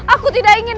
aku tidak mau